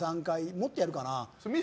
もっとやるかな。